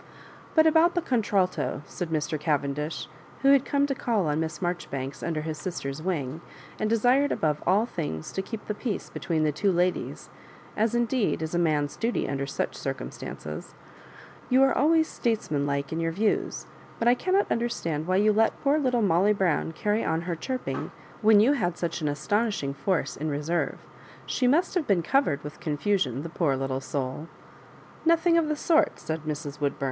"But about the contralto," said Mr. Cavendish, who had come to call on Miss Marjoribanks under his sister's wing, and desired above all things to keep the peace between the two ladies, as indeed is a man's duty under such circumstancea " You are always statesmanlike in your views ; but I cannot understand why you let poor little Molly Brown carry on her chirping when you had such an astonishing force in reserve. She must have been covered with oonfusioB, the poor little souL" Nothing of the sort," said Mrs. Woodbum.